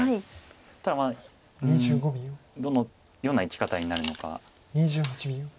ただどのような生き方になるのか。